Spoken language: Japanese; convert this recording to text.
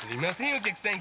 お客さん